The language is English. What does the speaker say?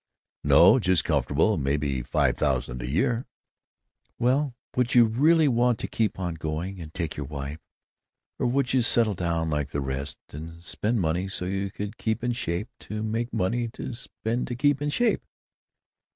"No, just comfortable; maybe five thousand a year." "Well, would you really want to keep on going, and take your wife? Or would you settle down like the rest, and spend money so you could keep in shape to make money to spend to keep in shape?"